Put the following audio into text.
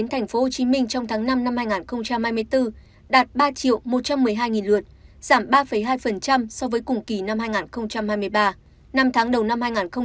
tăng ba mươi một bảy so với cùng kỳ năm hai nghìn hai mươi ba đạt ba mươi bảy so với kế hoạch năm hai nghìn hai mươi bốn